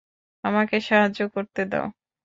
আমাকে সাহায্য করতে দাও।